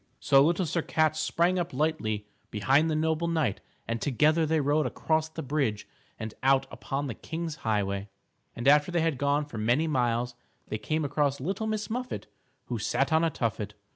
So Little Sir Cat sprang up lightly behind the noble knight and together they rode across the bridge and out upon the King's Highway. And after they had gone for many miles, they came across Little Miss Muffet who sat on a tuffet.